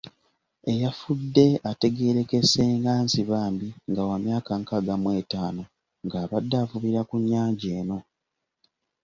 Eyafudde ategerekese nga Nsibambi nga wa myaka nkaaga mu etaano ng'abadde avubira ku nnyanja eno.